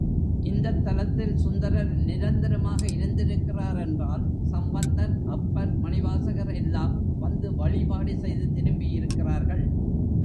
இந்தத் தலத்தில் சுந்தரர் நிரந்தரமாக இருந்திருக்கிறார் என்றால் சம்பந்தர், அப்பர், மணிவாசகர் எல்லாம் வந்து வழிபாடு செய்து திரும்பியிருக்கிறார்கள்.